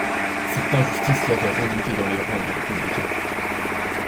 Cette injustice l'avait rejeté dans les rangs des républicains.